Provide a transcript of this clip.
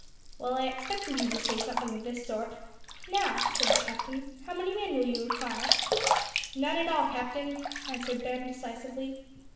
"Well, I expected you to say something of this sort. Now," said the captain, "how many men will you require?" "None at all, Captain," answered Ben decisively.